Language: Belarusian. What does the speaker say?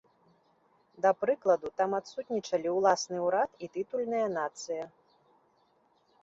Да прыкладу там адсутнічалі ўласны ўрад і тытульная нацыя.